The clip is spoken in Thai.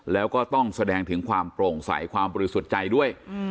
แล้วก็ต้องแสดงถึงความโปร่งใสความบริสุทธิ์ใจด้วย